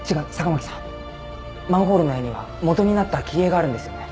マンホールの絵には基になった切り絵があるんですよね？